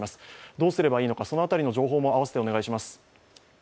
どうすればいいのか、その辺りの情報も合わせてお願いします。